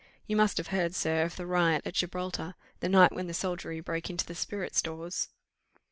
You must have heard, sir, of the riot at Gibraltar, the night when the soldiery broke into the spirit stores?"